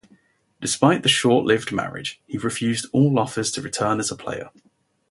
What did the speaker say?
Despite the short-lived marriage, he refused all offers to return as a player.